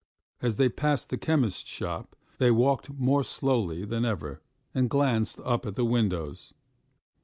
As they passed the chemist's shop, they walked more slowly than ever, and glanced up at the windows.